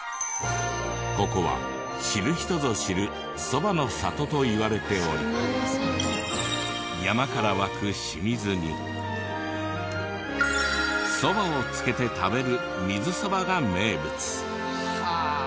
ここは知る人ぞ知るそばの里といわれており山から湧く清水にそばをつけて食べる水そばが名物。